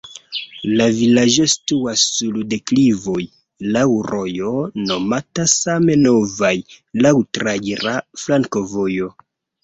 La vilaĝo situas sur deklivoj, laŭ rojo nomata same Novaj, laŭ traira flankovojo.